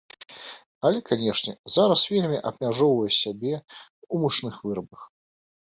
Але, канешне, зараз вельмі абмяжоўвае сябе ў мучных вырабах.